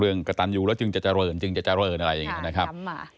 กระตันอยู่แล้วจึงจะเจริญจึงจะเจริญอะไรอย่างนี้นะครับ